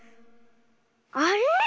あれ⁉